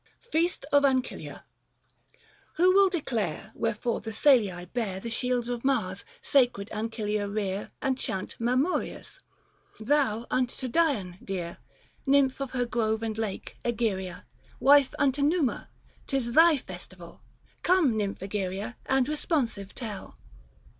FEAST OF ANCILIA. Who will declare, wherefore the Salii bear The shields of Mars, sacred Ancilia rear 275 And chant Mamurius ? Thou unto Dian dear, Nymph of her grove and lake, Egeria, . Wife unto Numa^— 'tis thy festival, Come nymph Egeria, and responsive tell.